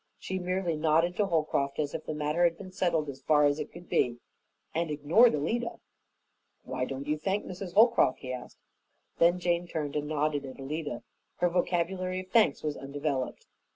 She merely nodded to Holcroft as if the matter had been settled as far as it could be, and ignored Alida. "Why don't you thank Mrs. Holcroft?" he asked. Then Jane turned and nodded at Alida. Her vocabulary of thanks was undeveloped.